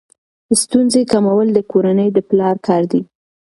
ستونزې کمول د کورنۍ د پلار کار دی.